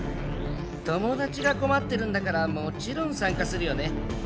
友達が困ってるんだからもちろん参加するよね？